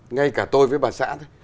ngay cả tôi với bà xã thôi